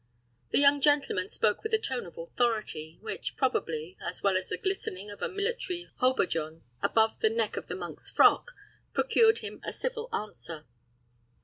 The young gentleman spoke with a tone of authority, which, probably, as well as the glistening of a military haubergeon above the neck of the monk's frock, procured him a civil answer.